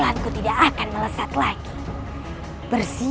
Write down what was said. aku akan menangkapmu